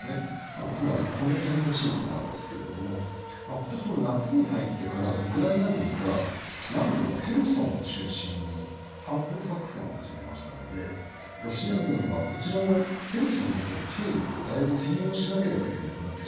まあつまりこの辺の地域なんですけれども今年の夏に入ってからウクライナ軍が南部のヘルソンを中心に反攻作戦を始めましたのでロシア軍はこちらのヘルソンの方に兵力をだいぶ転用しなければいけなくなってしまったんですね。